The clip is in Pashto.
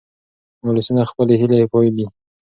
ولسونه خپلې هیلې بایلي.